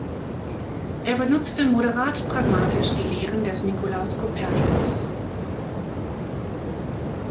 Er benutzte moderat pragmatisch die Lehren des Nikolaus Kopernikus.